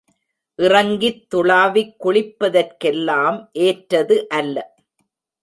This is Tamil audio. இறங்கித் துளாவிக் குளிப்பதற்கெல்லாம் ஏற்றது அல்ல.